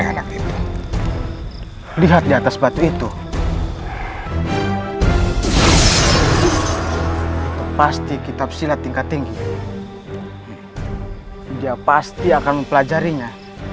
anak itu lihat di atas batu itu pasti kitab silat tingkat tinggi dia pasti akan mempelajarinya